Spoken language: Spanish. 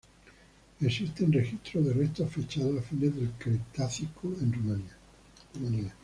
Existen registros de restos fechados a fines del Cretácico en Rumania.